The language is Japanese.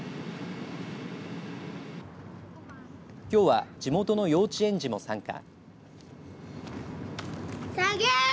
きょうは地元の幼稚園児も参加。